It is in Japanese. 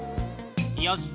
よし。